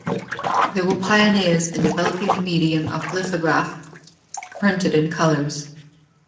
They were pioneers in developing the medium of the lithograph printed in colours.